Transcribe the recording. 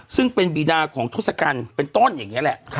ซึ่งเป็นบีดาของทศกัณฐ์เป็นต้นอย่างนี้แหละ